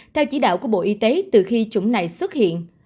theo chỉ đạo của bộ y tế từ khi chủng này xuất hiện